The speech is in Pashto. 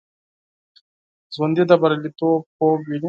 ژوندي د بریالیتوب خوب ویني